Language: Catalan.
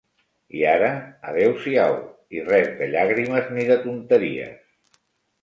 I ara, adéu-siau, i res de llàgrimes ni de tonteries